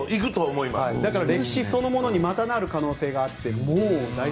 だから歴史そのものにまた、なる可能性があって。